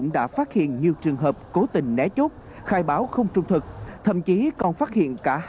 đã phát hiện nhiều trường hợp cố tình né chốt khai báo không trung thực thậm chí còn phát hiện cả